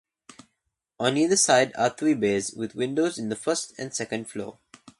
On either side are three bays with windows in the first and second floor.